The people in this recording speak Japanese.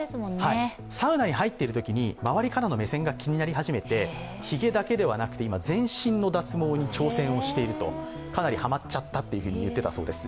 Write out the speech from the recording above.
サウナに入っているときに周りからの目線が気になり始めて、ひげたげではなくて、今、全身の脱毛に挑戦しているとかなりハマっちゃったと言っていたそうです。